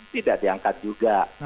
tidak diangkat juga